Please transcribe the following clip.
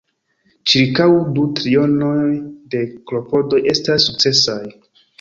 Ĉirkaŭ du trionoj de klopodoj estas sukcesaj.